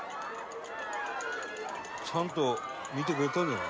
「ちゃんと見てくれたんじゃない？」